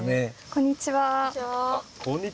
こんにちは。